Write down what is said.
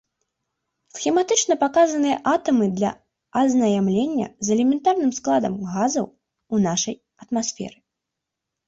Схематычна паказаныя атамы для азнаямлення з элементарным складам газаў у нашай атмасферы.